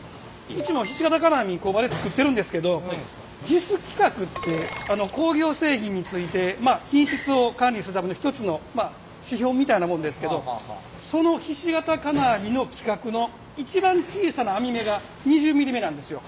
うちもひし形金網工場で作ってるんですけどＪＩＳ規格って工業製品についてまあ品質を管理するための一つの指標みたいなもんですけどそのひし形金網の規格の一番小さな網目が２０ｍｍ目なんですよ。